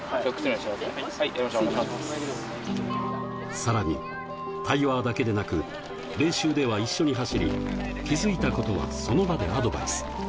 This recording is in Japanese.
さらに、対話だけでなく、練習では一緒に走り、気づいたことはその場でアドバイス。